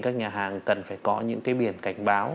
các nhà hàng cần phải có những cái biển cảnh báo